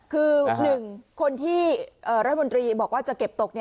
คือ๑คนที่รัฐมนตรีบอกว่าจะเก็บตก